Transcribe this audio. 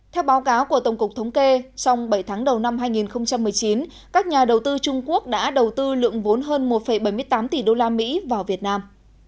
theo báo cáo của tổng cục thống kê trong bảy tháng đầu năm hai nghìn một mươi chín các nhà đầu tư trung quốc đã đầu tư lượng vốn hơn một bảy mươi tám tỷ usd vào việt nam